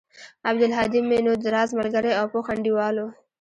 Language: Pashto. عبدالهادى مې نو د راز ملگرى او پوخ انډيوال و.